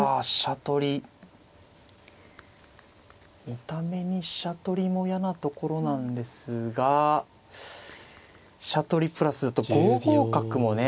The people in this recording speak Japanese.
見た目に飛車取りも嫌なところなんですが飛車取りプラス５五角もね